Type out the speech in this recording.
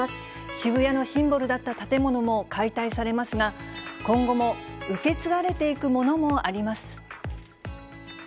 渋谷のシンボルだった建物も解体されますが、今後も受け継がれていくものもあります。